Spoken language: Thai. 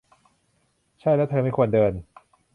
ใช่แล้วเธอไม่ควรเดิน